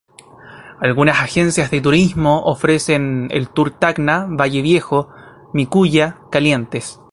Algunas agencias de turismo ofrecen el tour Tacna-Valle Viejo-Miculla-Calientes.